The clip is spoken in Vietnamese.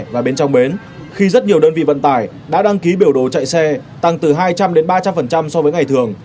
và bên trong bến khi rất nhiều đơn vị vận tải đã đăng ký biểu đồ chạy xe tăng từ hai trăm linh đến ba trăm linh so với ngày thường